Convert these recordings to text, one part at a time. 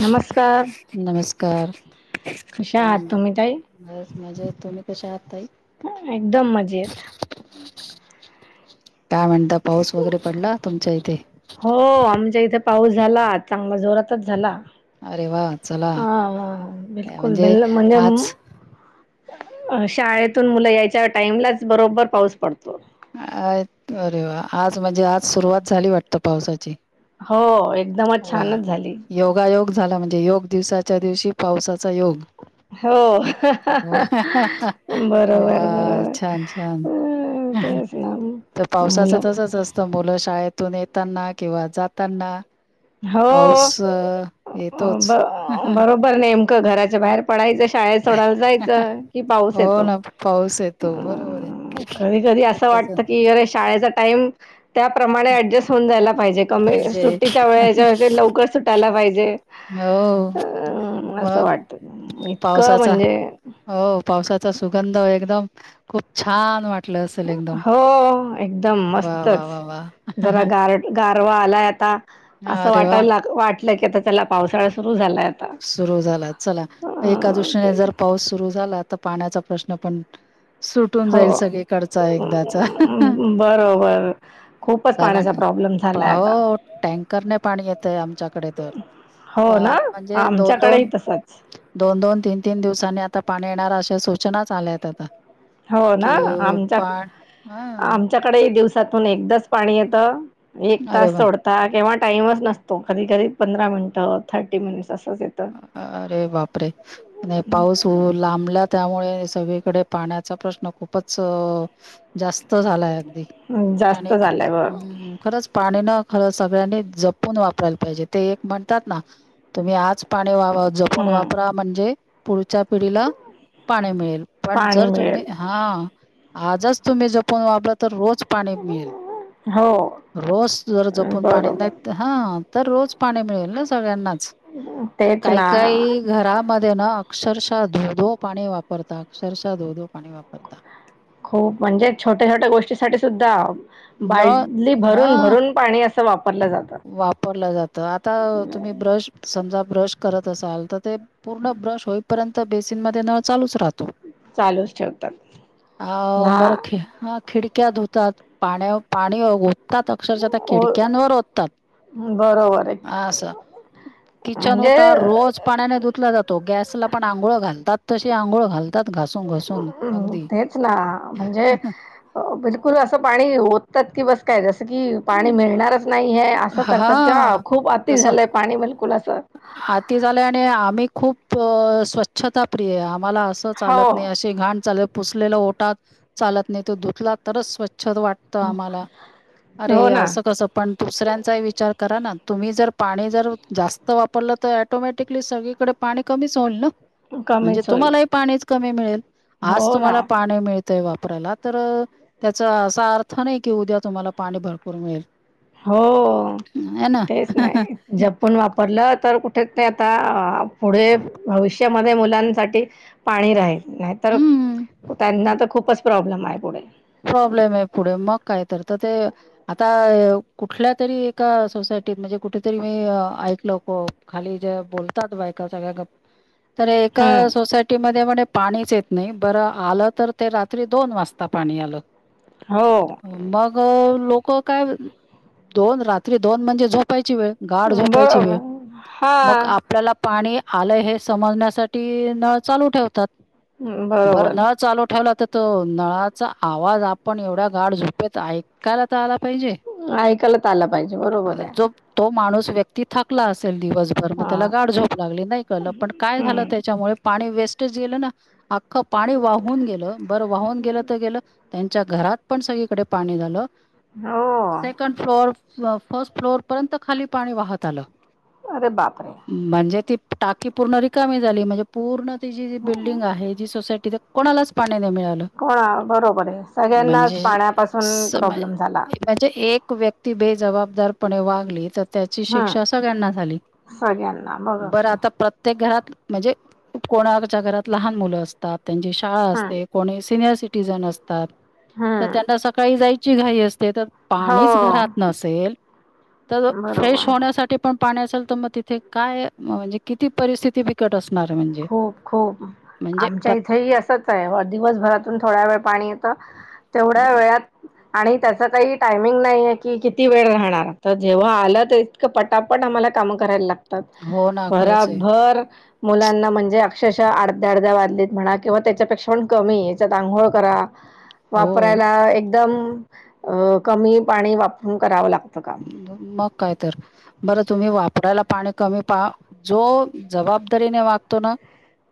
नमस्कार नमस्कार कशा काय आहात म्हण तुम्ही ताई बस मजेत तुम्ही कशा आहात ताई? हा एकदम मजेत. काय म्हणता पाऊस वगैरे पडला तुमच्या इथे? हो आमच्या इथे पाऊस झाला आज चांगला जोरातच झाला. अरे वा चला हा वा- वा बिलकुल म्हणजे बिल्ल मध्यम आज अ शाळेतून मुलं यायच्या टाइमलाच बरोबर पाऊस पडतो. अ अरे वा आज म्हणजे आज सुरुवात झाली वाटतं पावसाची. हो एकदमच वा छानच झाली. योगायोग झाला म्हणजे योग दिवसाच्या दिवशी पावसाचा योग हो हो बरोबर बरोबर छान छान. अ तेच ना तर पावसाच मुलं तसच असतं मुलं शाळेत तून येताना किंवा जाताना पाऊस हो अ, येतोच ब बरोबर नेम क घराच्या बाहेर पडायचंय शाळे सोडायला जायच की पाऊस हो येतो ना पाऊस येतो बरोबर आहे कधी कधी अस तस वाटत की शाळेचं टाइम त्याप्रमाणे ऍडजस्ट होऊन जायला पाहिजे कमी सुटीत च्या वेळेच्या ऐवजी लवकर सुटायला पाहिजे हो अ असं मग वाटत इतकं पावसाचा म्हणजे हो पावसाचा सुगंध एकदम खूप छान वाट हो एकदम वा वा मस्तच वा वा जरा गारट गार वा आलाय आता अस अरे वाटाय वा लाग वाटलं की आता चला पावसाळा सुरु झालाय आता सुरू झाला चला अ मग एका दृष्टीने ते जर पाऊस सुरू झाला तर पाण्याचा प्रश्न पण सुटून हो जाईल सगळीकडचा एकदाचा... हं.. हं बरोबर खूपच पाण्याचा कारण प्रॉब्लेम झालाय आता हो... टँकरने पाणी येतंय आमच्याकडे तर हो पा- ना म्हणजे दोन आमच्याकडेही दोन... तसच दोन दोन तीन तीन दिवसांनी आता पाण्या येणार अशा सूचनाच आल्या आहेत आता हो कि ना... आमच्या... पाण हा आमच्याकडेही दिवस सातून एकदाच पाणी येतं एक अरे तास वा सोडता किंवा टाईमच नसतो कधी कधी पंधरा मिनिटं थर्टी मिनिटस अरे बापरे नाही पाऊस हो लांबला त्यामुळे सगळे कडे पाण्याचा प्रश्न खूपच जास्त झालाय हं, [inaudible] आणि... जास्त झालंय ब ह्... खरंच पाणी ना खरं सगळ्यांनी जपून वापरायला पाहिजे ते एक म्हणतात ना तुम्ही आज वावं जपून हम्म वापरा म्हणजे पुढ पुढच्या पिढीला पाणी मिळेल... पण पाणी जर तुम्ही... मिळेल हा आजच तुम्ही जपून वापरलं तर रोज पाणी मिळेल हो. रोज जर जपून पाणी नाही बरोबर तर हा तर रोज पाणी मिळेल ना सगळ्यांना ह... ते कायी काही घरामध्ये ना अक्षरशः धोधो पाणी वापरता अक्षरशः धोधो पाणी वापरता खूप म्हणजे छोट्या छोट्या गोष्टीसाठी सुद्धा... न बादली हा भरून भरून पाणी अस वापरलं जातं आता तुम्ही ब्रश समजा ब्रश करत असाल तर ते पूर्ण ब्रश होईपर्यंत बेसिन मध्ये नळ चालूच राहतो चालूच ठेवतात. आ... ला बरं.... ठेव.. खिडक्या धुतात पाण्या पाणी ओततात अक्षरशः त्या हो खिडक्यांवर ओत बरोबर ए किचन ओटा रोज पाण्याने धुतला जातो गॅसला पण आंघोळ घालतात तशी आंघोळ घाल घासून घासून [inaudible] तेच ना... म्हणजे बिलकुल असं पाणी ओततात... की बस काय जसं की पाणी मिळणारच नाही ए असं करतात किंवा हां. खूप अति झालंय पाणी बिलकुलच आती झालंय आणि आम्ही खूप स्वच्छता प्रियए मला असं हो चालत नाही अशी घाण चालेल पुसलेला ओटा चालत नाही तो धुतला तरच स्व च्छ वाटतं आम्हाला... अरे हो ना असं कसं पण दुसऱ्यांचाही विचार करा ना... तुम्ही जर... पाणी जर... जा वापरलं तर ॲटोमॅटिकली सगळीकडे पाणी कमीच होईल ना... म्हणजे कमीच होईल तुम्हालाही पाणी कमी मिळेल आज हो ना तुम्हाला पाणी मिळ ळतंय वापरायला तर त्याचा असा अर्थ नाही कि उद्या तुम्हाला पाणी भरपूर मिळेल हो आहे ना. तेच नाही जपून वाप भरलं तर कुठं ते आता पुढे भविष्यामध्ये मुलांसाठी पाणी राहील नाहीतर हं. त्यांना तर खूपच प्रॉब्लेम आहे पुढे प्रॉब्लेम आहे पुढे मग काय तर... तर ते आता कुठल्या तरी एका सोसाय यटीत म्हणजे कुठेतरी मी ऐकलं खाली जे बोलतात बायका सगळ्या गप तर एका हम्म सोसायटीमध्ये म्हणे पाणीच येत नाही... बरं आलं तर ते रात्री दोन वासता पाणी आलं मग हो [inaudible] लोक काय दोन रात्री दोन म्हणजे झोपायची वेळ गाढ झोपायची वेळ... बरोबर हा मग आपल्याला पाणी आलंय हे समजण्यासाठी नळ चालू ठेवतात हम्म, बरं बरोबर नळ चालू ठेवला तर तो नळाचा आवाज आपण एवढ्या गाढ झोपेत ऐ.. कायला तर आला पाहिजे ऐकायलाच आला पाहिजे बरोबर आहे [inaudible] तो माणूस व्यक्ती थंबला असल दिवस भर हा त्याला गार झोप लागली नाही का पण काय झाल‌ हम्म त्यामुळे वेस्टच गेल ना अख्खं पाणी वाहून गेलं बर वाहुन गेल त्यांच्या घरात पण सगळीकडे पाणी झालं [inaudible] हो सेकंड फ्लोअर फर्स्ट फ्लोर पर्यंत खाली पाणी वाहत आलं अरे बापरे म्हणजे ती टाकी पूर्ण रिकामी झाली म्हणजे पूर्ण ति जी जी बिल्डिंग आहे जी सोसायटी कोणालाच पा मिळालं कोणा बरोबर आहे सगळ्यांनाच म्हणजे पाण्यापासून स प्रॉब्लेम झाला म्हणजे एक व्यक्ती बेजबाबदारपणे वागली तर त्याची हम्म शिक्षा सगळ्यांना झाली सगळ्यांना [inaudible] बघा बर की आता प्रत्येक घरात म्हणजे कोणाच्या घरात लहान मुलं असतात त्यांची शाळा हम्म असते कोणी सिनियर स असत हम्म त्यांना सकाळी जायची घाई असते ते तर पाणीच घरात हो नसेल तर फ्रेश बरोबर होण्यासाठी पण पाणी असेल तर मग तिथे काय म्हणजे किती परिस्थिती बिकट असणार आहे म्हणजे खूप खूप म्हणजे आमच्या प्रत- इथही असंच आहे दिवसभरातून थोड वेळ पाणी येत तेवढ्या बर. वेळात आणि त्याच काही टायमिंग नाहीय की किती वेळ राहणार तर जेव्हा आलं तर इतकं पटापट आ मला काम करायला लागतात हो ना खरंच आहे भराभर मुलांना म्हणजे अक्षरशः अडध्या अडध्या वाजलीत म्हणा किंवा त्याच्यापेक्षा पण कमी याच्यात आांघोळ करा हो वापरायला एकदम अ कमी पाणी वापरून करावं लागतं काम मग काय तर बर तुम्ही वापरायला पाणी कमी पाहा जो जबाबदारीने वागतो ना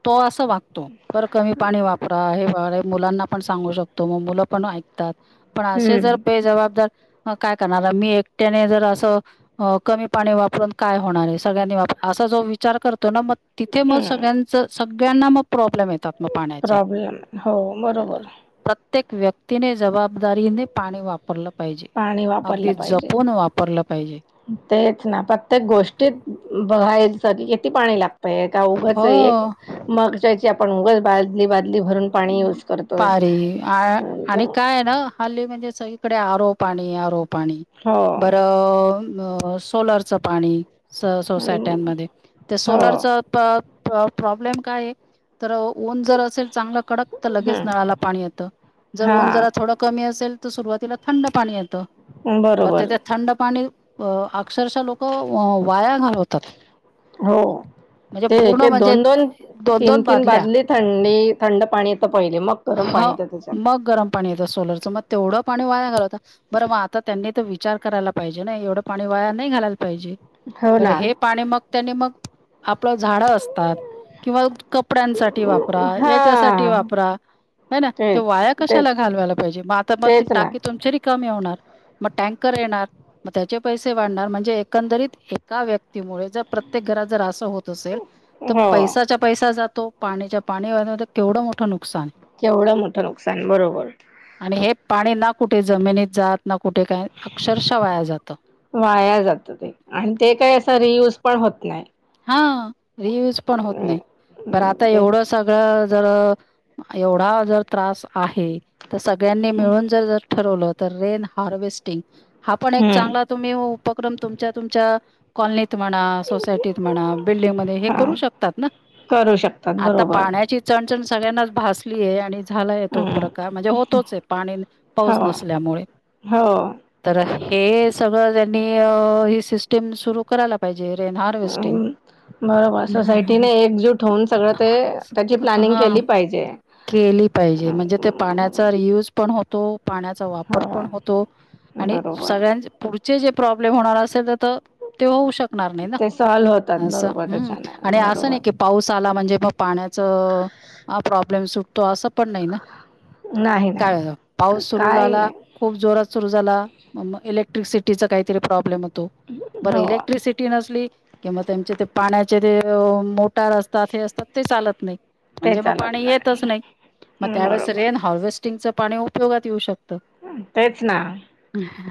तो असं वागतो बरं कमी पाणी वापरा हे मुलांना पण सांगू शकतो मग मुलं पण ऐकतात पण असे जर हम्म बेजबाबदार काय करणार मी एक त्याने जर असं कमी पाणी वापरून काय होणार आहे सगळ्यांनी वापर असा जो विचार करतो ना म तिथे मग हम्म सगळ्यांच सगळ्यांना मग प्रोब्लेम येतात मग पाण्याचे प्रॉब्लेम हो बरोबर प्रत्येक व्यक्तीने जबाबदारीने पाणी वापरलं पाहिजे पाणी वापरलं अगदी पाहिजे जपून वापरलं पाहिजे तेच ना प्रत्येक गोष्टी [inaudible] बघाय किती पाणी लागतय उघच हो एक मागची आपण उघ बाजली बा पारी अ आणि काय ना हल्ली म्हणजे स इकडे आरो पाणी आरो पाणी हो बरं सोलरचं पाणी हम्म, सोसायट्यांमध्ये ते हो सोलरचा [inaudible] प्रॉब्लेम काय तर ऊन जर असेल चांगलं कडक तर लगेच हम्म नळाला पाणी येतं जर हा ऊन जरा थोडं कमी अस असल तर सुरुवातीला थंड पाणी येतं बरोबर तेथ थंड पाणी अ अक्षरशः लोक वाया घालवतात हो म्हणजे पूर्ण ते म्हणजे दोन दोन तीन तीन बाजली थंडी थंड पाणी येतं पहिले मग गरम पाणी हाव येतं त्याच्यात मग गरम पाणी येतं सोलरचं मग तेवढं पाणी वाया घाल बरं मग आता त्यांनी तर विचार करायला पाहिजे ना एवढं पाणी वाया नाही घालायला पाहिजे हो बर ना हे पाणी मग त्यानी मग आप आपल झाड असतात किंवा कपड्यांसाठी वापरा हा याच्यासाठी ढी वापरा हैना तेच वाया तेच कशाला घालवायला पाहिजे मग आता मग तेच ना टाकी तुमची रिका कमी होणार. मग टँकर येणार मग त्याचे पैसे वाढणार म्हणजे एकंदरीत एका व्यक्तीमुळे जर प्रत्येक घरात जर अस होत असेल तर हो पैसाच्या पैसा जातो पाच्या पाणी केवढं मोठ नुक केवढं मोठं नुकसान बरोबर. आणि हे पाणी ना कुठे जमिनीत जात. ना कुठे काय अक्षरशः वाया जातं वाया जात ते आणि ते काय असं रियूज. पण होत नाही. हां रियूज पण होत नाही. बर हम्म आता एवढं तेच सगळं जर एवढा ज जर त्रास आहे. तर सगळ्यांनी मिळून जर ठरवलं. रेन हार्वेस्टिंग हा पण एक चांगला हम्म तुम्ही उपक्रम तुमच्या तुमच्या कॉलनीत तुम्सोसायटीत म्हणा बिल्डिंग मध्ये हे हा करु शकतात ना? करू शकतात आता बरोबर पाण्याची चणचण सगळ्यांनाच भासली आहे, आणि झालाय तो हम्म प्रकार म्हणजे होतोच आहे. पाणी पाऊस हो नसल्यामुळे हो तर, हे सगळं त्यांनी अ ही सिस्टम सुरू करायला पाहिजे.. हार्वेस्टिंग. बरोबर सोसायटीे अ एकजूट होऊन सगळं ते त्याची प्लॅनिंग हां. केली पाहिजे. [inaudible] केली पाहिजे म्हणजे ते हम्म, पाण्याचा रियूज पण हो तो पाण्याचा वापर पण हो होतो आणि बरोबर सगळ्यां पुढ चे जे प्रॉब्लेम होणार असेल, त त ते होऊ शकणार नाही ना. ते सॉल्व होतात असं बरोबर हं त्याच्याने आणि असं बरोबर नाही की पाऊस आला, म्हणजे मग पाण्याच प्रॉब्लेम सुटतो तो अस पण नाही नाही काय नाही पाऊस सुरू काही झाला नाही खुप जोरात? सुरु झाला मग इलेक्ट्रिसिटीचा काहीतरी प्रॉब्लेम होता. तो बर हो इलेक्ट्रिसिटी नसली, कि मग त्याच्या पाण्याचे तो मो टार असतात हे असतात ते चालत नाही ते म्हणजे मग चालत पाणी येतच नाही. मग हम्म, त्यावेळेस बरोबर रेन हार्वेस्टिंगच पाणी उपयोगात येऊ शकत. ह तेच ना.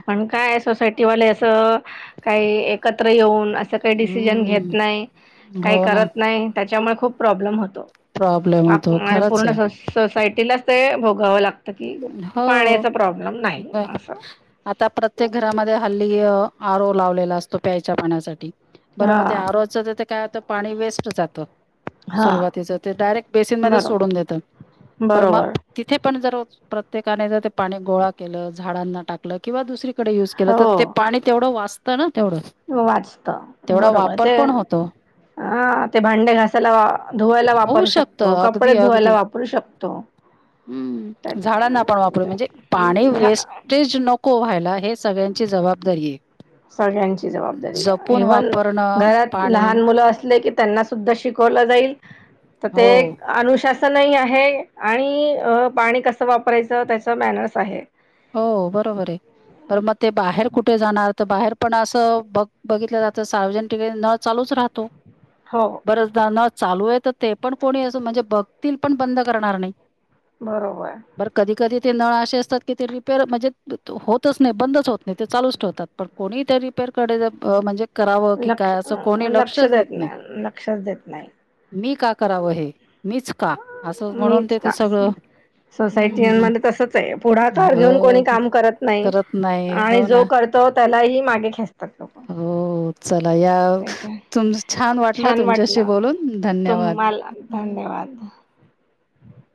पण काय सोसायटीवाले असं. काही एकत्र येऊन. अस काही डिसीजन घेत हम्म नाही, काही हो ना करत नाही, त्याच्यामुळे खूप प्रॉब्लेम होतो. प्रॉब्लेम अ होतो आणि खरंच पूर्ण आहे सोसायटीलाच ते भोगावं लागतं कि, पाण्या हो. आता प्रत्येक घरामध्ये हल्ली- आरो लावलेला असतो. प्यायच्या पाण्यासाठी. बर हा मग ते आरोच तेथे काय होत? पाणी वेस्ट जातं. हा सुरुवातीचा ते डायरेक्ट बेसीन मध्येच बरो सोडून देतात, मग बरोबर तिथे पण जर प्रत्येकाने जर ते पाणी गोळा केलं झाडांना टाकलं किंवा दुसरी युज केलं त हो ते पाणी तेवढं वाचतं ना. तेवढं वाचत तेवढा बरोबर वापर ते. पण होतो हा ते भांडे घासायला, धुवायला होऊ वापरू शकतो, शकतं कपडे धुवायला वापरू शकतो. त्या- हं झाडांना आपण वापरूया म्हणजे पाणी त्या- झा वेस्टेज नको व्हायला हेच सगळ्यांची जबाबदारी आहे. सगळ्यांची जबाबदारी... जपून इव्हन वापरणं घरात पाणी लहान मुलं अस. त्यांना सुद्धा शिकवल जाईल तर ते हो अनुशासन तेल हि आहे आणि पाणी कसं वापरायचं त्याचा मॅनर्स आहे. हो बरोबर आहे बर, मग ते बाहेर कुठे जाणार? त बाहेर पण असं बघ बघितलं जातं सार्वजनिक ठिकाणी नळ चालूच राहतो. हो बरेचदा ना चालू आहे तर ते पण कोणी अस म्हणजे बघतील, पण बंद करणार नाही. बरोबर. बरं कधी कधी ते नळा अशे असतात. की ते रिपेयर म्हणजे होतच नाही बंदच होत नाही ते चालूच ठेवतात. पण कोणीही ते रिपेयर कडे म्हणजे करावं की लक्ष काय असं कोणी लक्ष लक्षच देत नाही. लक्षच देत नाही मी का करावं हे? मीच का असं? म्हणून मीच तेथ का सगळं हम्म सोसायटीमध्ये तसच आहे. पुढाकार घेऊन हो कोणी काम करत नाही - नाही आणि हो ना जो करतो. त्यालाही मागे खेचतात लोक, हो चला या तेच तुम वाटलं छान तुमच्याशी वाटलं बोलून तुम्हाला धन्यवाद. धन्यवाद. [inaudible] [inaudible]